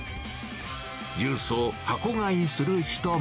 ジュースを箱買いする人も。